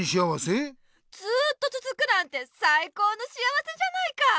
ずっとつづくなんてさいこうの幸せじゃないか！